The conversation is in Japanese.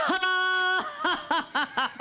ハハハハハ！